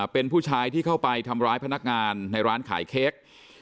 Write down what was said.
เป็นผู้ชายที่เข้าไปทำร้ายพนักงานในร้านขายเค้ก